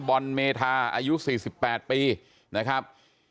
บอลเมธาอายุ๔๘ปีนะครับ